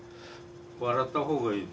笑った方がいい？